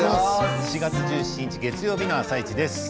４月１７日月曜日の「あさイチ」です。